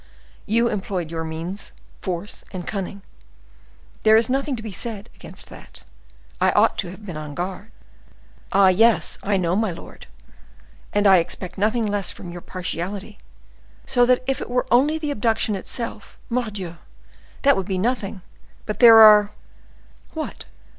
You employed your means, force and cunning: there is nothing to be said against that: I ought to have been on guard." "Ah! yes; I know, my lord, and I expected nothing less from your partiality; so that if it were only the abduction in itself, Mordioux! that would be nothing; but there are—" "What?"